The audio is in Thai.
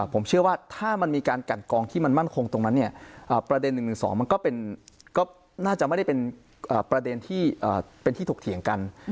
ผมเชื่อว่าถ้ามันมีการกันกองที่มันมั่นคงตรงนั้นประเด็น๑๑๒มันก็น่าจะไม่ได้เป็นประเด็นที่เป็นที่ถกเถียงกัน